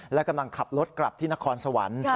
และกำลังขับรถกลับที่นครสวรรค์